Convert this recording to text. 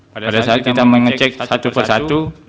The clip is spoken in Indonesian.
pada saat kita mengecek satu persatu